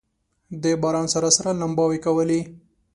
د باران سره سره لمباوې کولې.